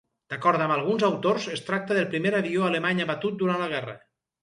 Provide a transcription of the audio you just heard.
D'acord amb alguns autors es tracta del primer avió alemany abatut durant la guerra.